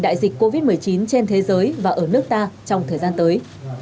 đại dịch covid một mươi chín trên thế giới và ở nước ta trong thời gian tới